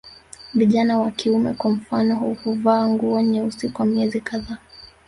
Vijana wa kiume kwa mfano huvaa nguo nyeusi kwa miezi kadhaa